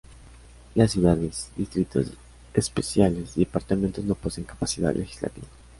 Las ciudades, distritos especiales y departamentos no poseen capacidad legislativa.